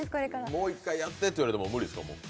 もう一回やってと言われても無理でしょ？